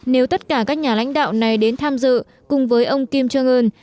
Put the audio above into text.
nếu tất cả các nhà lãnh đạo này đến tham dự cùng với ông kim jong un